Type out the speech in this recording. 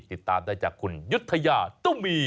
ติดตามได้จากคุณยุธยาตุ้มี